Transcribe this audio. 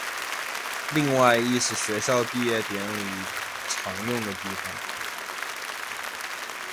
另外亦是学校毕业典礼常用的地方。